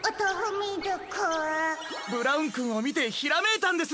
ミルクブラウンくんをみてひらめいたんです！